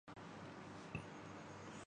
سلطان Yash Raj films کے ساتھ سلمان کی اخری فلم